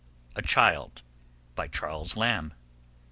A Child, by Charles Lamb.